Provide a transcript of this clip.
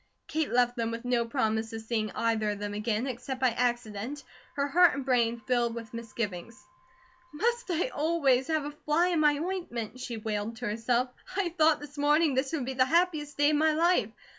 Kate left them with no promise of seeing either of them again, except by accident, her heart and brain filled with misgivings. "Must I always have 'a fly in my ointment'?" she wailed to herself. "I thought this morning this would be the happiest day of my life.